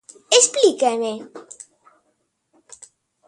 ¡Explíqueme!